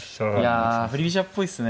いや振り飛車っぽいっすね。